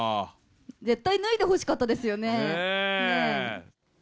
絶対脱いでほしかったですよねぇ。